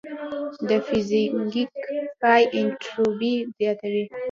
د فریزینګ پای انټروپي زیاتوي.